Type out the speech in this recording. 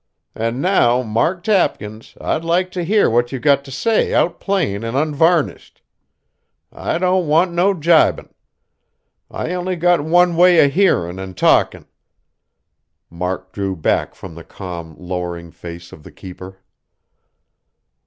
An' now, Mark Tapkins, I'd like t' hear what ye've got t' say out plain an' unvarnished. I don't want no gibin'. I only got one way o' hearin' an' talkin'." Mark drew back from the calm, lowering face of the keeper.